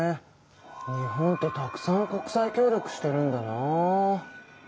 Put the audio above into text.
日本ってたくさん国際協力してるんだな。